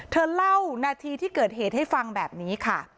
เธอเล่านาทีที่เกิดเหตุให้ฟังแบบนี้ค่ะ